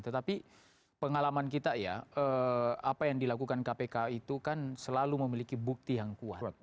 tetapi pengalaman kita ya apa yang dilakukan kpk itu kan selalu memiliki bukti yang kuat